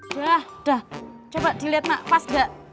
udah udah coba dilihat pak pas gak